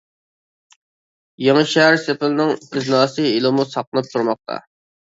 يېڭى شەھەر سېپىلىنىڭ ئىزناسى ھېلىمۇ ساقلىنىپ تۇرماقتا.